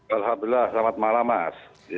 alhamdulillah selamat malam mas